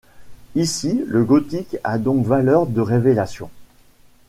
Ici, le gothique a donc valeur de révélation.